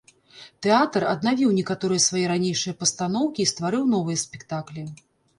Тэатр аднавіў некаторыя свае ранейшыя пастаноўкі і стварыў новыя спектаклі.